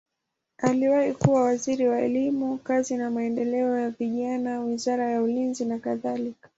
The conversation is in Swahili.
Aliwahi kuwa waziri wa elimu, kazi na maendeleo ya vijana, wizara ya ulinzi nakadhalika.